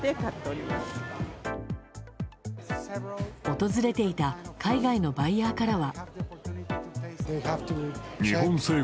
訪れていた海外のバイヤーからは。